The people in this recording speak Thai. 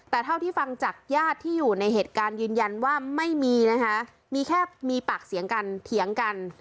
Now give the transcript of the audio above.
แต่เท่าที่ฟังจากญาติที่อยู่ในเหตุการณ์ยืนยันว่าไม่มีนะคะมีแค่มีปากเสียงกันเถียงกัน